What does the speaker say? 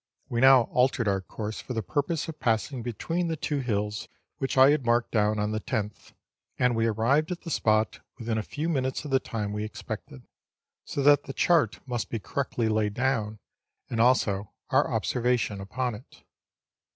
We now altered our course for the purpose of passing between the two hills which I had marked down on the 10th ; and we arrived at the spot within a few minutes of the time we expected, so that the chart must be correctly laid down, and also our observation upon it.